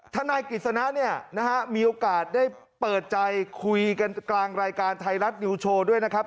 ถ้านายกฤษณะมีโอกาสได้เปิดใจคุยกันกลางรายการไทยรัฐยูโชว์ด้วยนะครับ